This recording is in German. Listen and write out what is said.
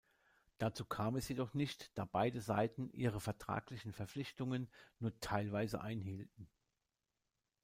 Dazu kam es jedoch nicht, da beide Seiten ihre vertraglichen Verpflichtungen nur teilweise einhielten.